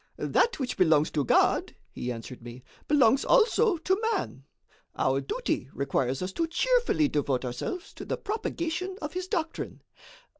"That which belongs to God," he answered me, "belongs also to man. Our duty requires us to cheerfully devote ourselves to the propagation of His doctrine.